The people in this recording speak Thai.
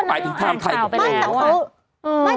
อ๋ออ่านข่าวไปแล้ว